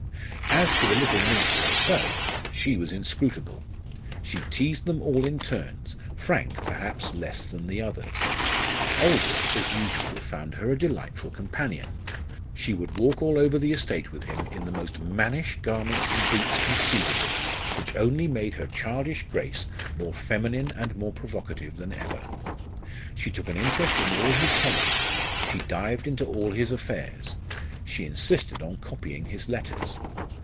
As to the little minx herself, she was inscrutable. She teased them all in turns, Frank, perhaps, less than the others. Aldous, as usual, found her a delightful companion. She would walk all over the estate with him in the most mannish garments and boots conceivable, which only made her childish grace more feminine and more provocative than ever. She took an interest in all his tenants; she dived into all his affairs; she insisted on copying his letters.